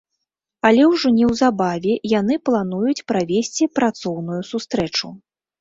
Але ўжо неўзабаве яны плануюць правесці працоўную сустрэчу.